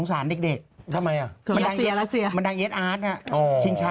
จริงจริง๊ะ